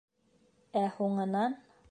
Ә һуңынан: